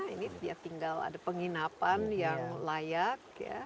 ini dia tinggal ada penginapan yang layak